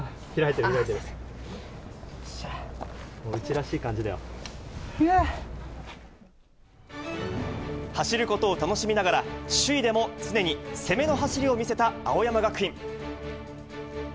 開いてる、開いてる、うちら走ることを楽しみながら、首位でも常に攻めの走りを見せた青山学院。